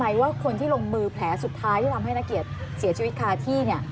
จำได้ไหมว่าคนที่ลงมือแผลสุดท้ายที่ทำให้นักเกียรติเสียชีวิตคาที่